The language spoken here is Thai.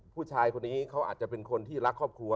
ผู้ชายคนนี้เขาอาจจะเป็นคนที่รักครอบครัว